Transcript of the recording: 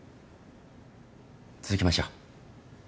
続けましょう。